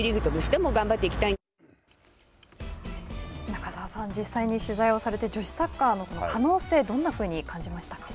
中澤さん、実際に取材をされて女子サッカーの可能性どんなふうに感じましたか。